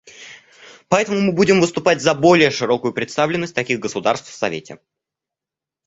Поэтому мы будем выступать за более широкую представленность таких государств в Совете.